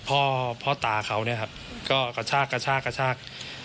พ่อพ่อตาเขาเนี่ยครับก็กระชากกระชากกระชาก